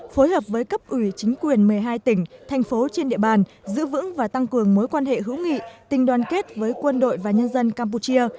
phối hợp với cấp ủy chính quyền một mươi hai tỉnh thành phố trên địa bàn giữ vững và tăng cường mối quan hệ hữu nghị tình đoàn kết với quân đội và nhân dân campuchia